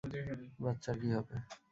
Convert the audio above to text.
বাচ্চার কি হবে?